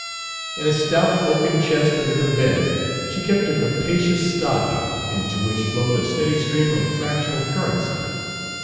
In a stout oaken chest under her bed she kept a capacious stocking, into which flowed a steady stream of fractional currency.